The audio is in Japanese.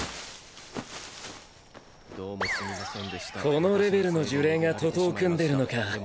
このレベルの呪霊が徒党を組んでるのか。